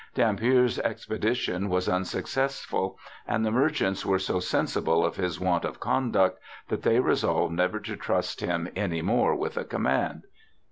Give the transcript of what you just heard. Dampier's expedition was unsuccessful, and 'the merchants were so sensible of his want of conduct, that they resolved never to trust him any more with a command